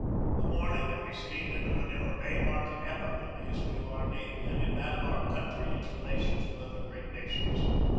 The morning that we steamed into Manila Bay marked an epoch in the history of our navy and in that of our country in its relations with other great nations.